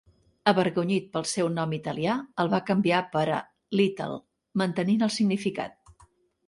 Avergonyit pel seu nom italià, el va canviar per a "Little" mantenint el significat.